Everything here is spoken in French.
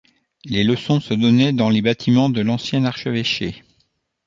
Les leçons se donnaient dans les bâtiments de l'ancien archevêché.